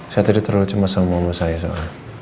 saya tadi terlalu cemas sama omong saya soalnya